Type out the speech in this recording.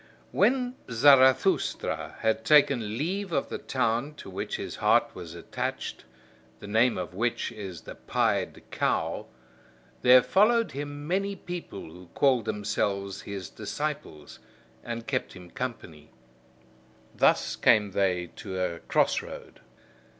When Zarathustra had taken leave of the town to which his heart was attached, the name of which is "The Pied Cow," there followed him many people who called themselves his disciples, and kept him company. Thus came they to a crossroad.